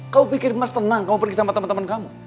kau pikir mas tenang kamu pergi sama teman teman kamu